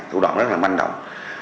thủ đoạn rất là manh động